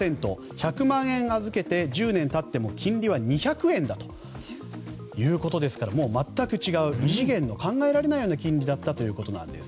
１００万円預けて１０年経っても金利は２００円だということですからもう、全く違う異次元の考えられないような金利だったというわけです。